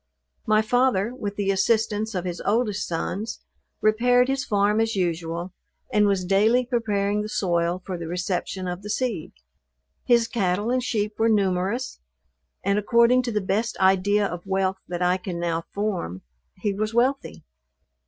My father, with the assistance of his oldest sons, repaired his farm as usual, and was daily preparing the soil for the reception of the seed. His cattle and sheep were numerous, and according to the best idea of wealth that I can now form, he was wealthy.